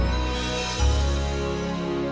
kamu harus mencoba untuk mencoba